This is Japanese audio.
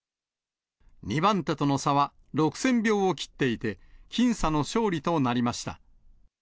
２番手との差は６０００票を切っていて、僅差の勝利となりました。